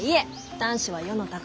男子は世の宝。